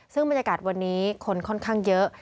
ซึ่งบรรยากาศวันนี้คนค่อนข้างเยอะ